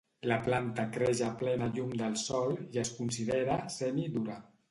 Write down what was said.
La planta creix a plena llum del sol i es considera "semi" dura.